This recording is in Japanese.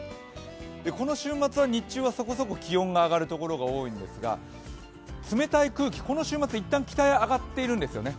この週末は日中はそこそこ気温が上がる所が多いんですが冷たい空気、この週末一旦北へ上がっているんですよね。